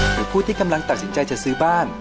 หรือผู้ที่กำลังตัดสินใจจะซื้อบ้าน